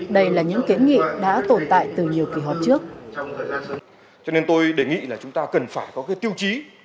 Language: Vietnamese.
đây là những kiến nghị đã tồn tại từ nhiều kỳ họp trước